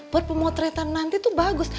buat pemotretan nanti itu bagus